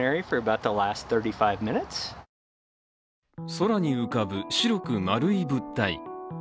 空に浮かぶ白く丸い物体。